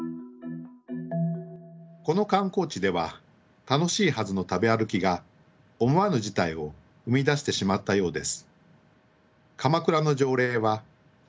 この観光地では楽しいはずの食べ歩きが思わぬ事態を生み出してしまったようです。